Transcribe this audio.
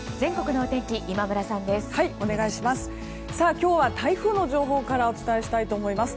今日は台風の情報からお伝えしたいと思います。